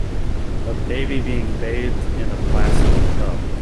A baby being bathed in a plastic tub.